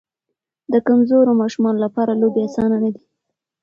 د کمزورو ماشومانو لپاره لوبې اسانه نه دي.